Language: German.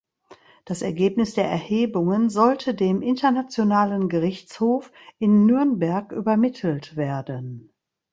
Das Ergebnis der Erhebungen sollte dem Internationalen Gerichtshof in Nürnberg übermittelt werden.